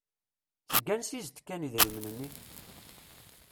Seg ansi i s-d-kan idrimen-nni?